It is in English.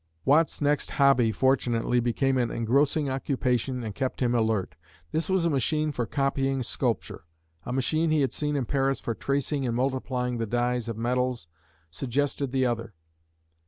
Watt's next "hobby" fortunately became an engrossing occupation and kept him alert. This was a machine for copying sculpture. A machine he had seen in Paris for tracing and multiplying the dies of medals, suggested the other.